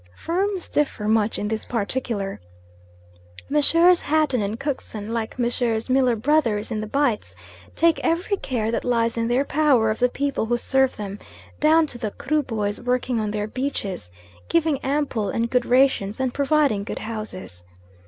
Firms differ much in this particular. Messrs. Hatton and Cookson, like Messrs. Miller Brothers in the Bights, take every care that lies in their power of the people who serve them, down to the Kruboys working on their beaches, giving ample and good rations and providing good houses.